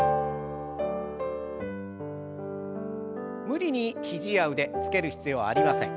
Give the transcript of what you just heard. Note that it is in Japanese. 無理に肘や腕つける必要はありません。